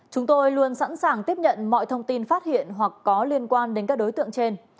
chúng tôi luôn sẵn sàng tiếp nhận mọi thông tin phát hiện hoặc có liên quan đến các đối tượng trên